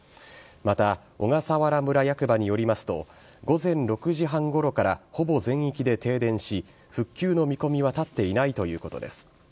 また、小笠原村役場によりますと午前６時半ごろからほぼ全域で停電し復旧の見込みは立っていないということです。